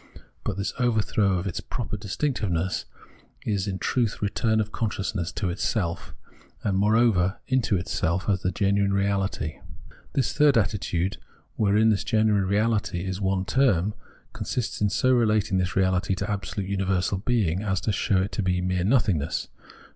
But this overthrow of its proper distinctiveness is in truth a return of consciousness into itself, and moreover into itself as the genuine reahty. This third attitude, wherein this genuine reahty is 214 Phenomenology of Mind one term, consists in so relating this reality to absolute universal Being, as to show it to be mere nothingness.